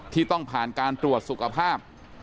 ที่ต้องผ่านการตรวจสุขภาพ